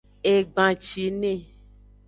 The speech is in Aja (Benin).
Egbancine.